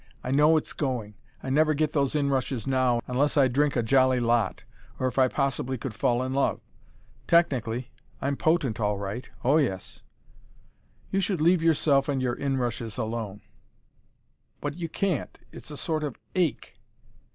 I know it's going. I never get those inrushes now, unless I drink a jolly lot, or if I possibly could fall in love. Technically, I'm potent all right oh, yes!" "You should leave yourself and your inrushes alone." "But you can't. It's a sort of ache."